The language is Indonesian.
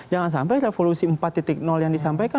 jangan sampai revolusi empat yang disampaikan